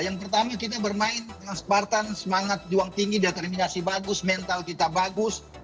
yang pertama kita bermain dengan sebaran semangat juang tinggi determinasi bagus mental kita bagus